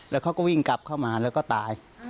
แล้วเขาก็วิ่งกลับเข้ามาแล้วก็ตาย